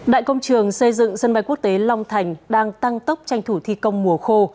đại công trường xây dựng sân bay quốc tế long thành đang tăng tốc tranh thủ thi công mùa khô